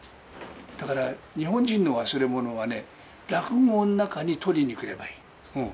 だから日本人の忘れ物はね、落語の中に取りにくればいい。